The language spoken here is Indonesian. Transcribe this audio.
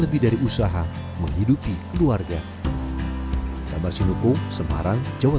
biadab negara seribu sembilan ratus tiga puluh delapan dan memiliki